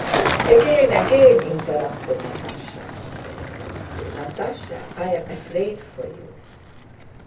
"Again, again!" interrupted Natásha. "Natásha, I am afraid for you!"